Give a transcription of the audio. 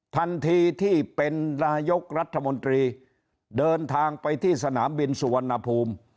ทันทีที่เป็นนายกรัฐมนตรีเดินทางไปที่สนามบินสุวรรณภูมิ